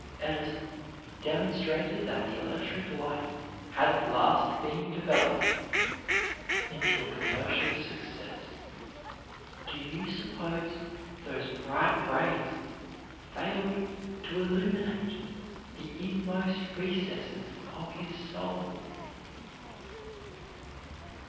Edison demonstrated that the electric light had at last been developed into a commercial success, do you suppose those bright rays failed to illuminate the inmost recesses of his soul?